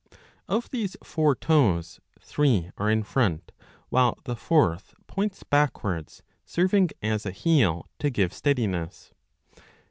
Of these four toes three are in front, while the fourth points backwards, serving, as a heel, to give steadiness.